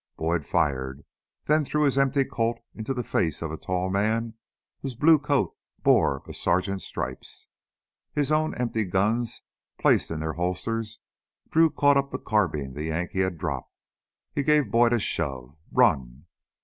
Boyd fired, then threw his emptied Colt into the face of a tall man whose blue coat bore a sergeant's stripes. His own emptied guns placed in their holsters, Drew caught up the carbine the Yankee had dropped. He gave Boyd a shove. "Run!"